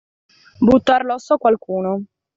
Buttar l'osso a qualcuno.